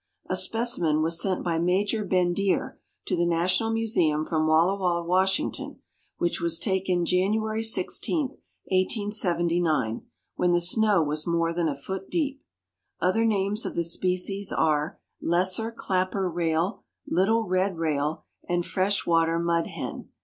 A specimen was sent by Major Bendire to the National Museum from Walla Walla, Wash., which was taken Jan. 16, 1879, when the snow was more than a foot deep. Other names of the species are: Lesser clapper rail, little red rail, and fresh water mud hen.